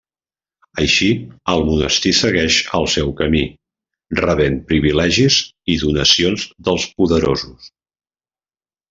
Així, el monestir segueix el seu camí, rebent privilegis i donacions dels poderosos.